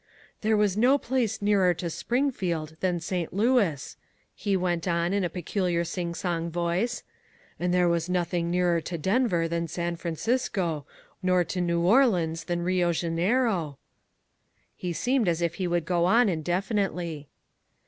"There was no place nearer to Springfield than St. Louis," he went on in a peculiar singsong voice, "and there was nothing nearer to Denver than San Francisco, nor to New Orleans than Rio Janeiro " He seemed as if he would go on indefinitely.